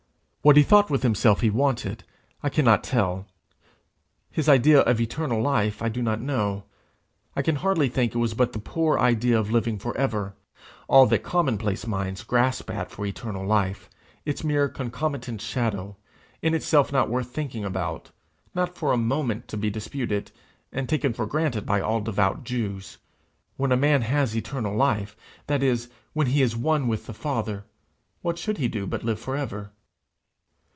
What he thought with himself he wanted, I cannot tell: his idea of eternal life I do not know; I can hardly think it was but the poor idea of living for ever, all that commonplace minds grasp at for eternal life its mere concomitant shadow, in itself not worth thinking about, not for a moment to be disputed, and taken for granted by all devout Jews: when a man has eternal life, that is, when he is one with God, what should he do but live for ever?